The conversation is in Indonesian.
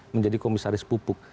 menjadi komisaris pupuk